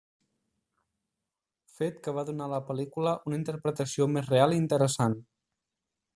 Fet que va donar a la pel·lícula una interpretació més real i interessant.